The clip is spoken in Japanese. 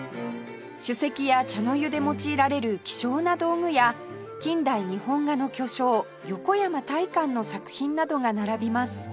酒席や茶の湯で用いられる希少な道具や近代日本画の巨匠横山大観の作品などが並びます